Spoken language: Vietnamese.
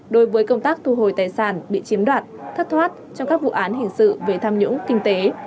đối với công tác thu hồi tài sản bị chiếm đoạt thất thoát trong các vụ án hình sự về tham nhũng kinh tế